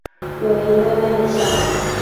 有一位妹妹名叫。